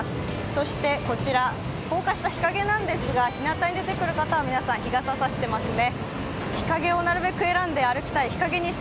そしてこちら、高架下、日陰なんですが、ひなたに出ている方は皆さん、日陰に来ていますね。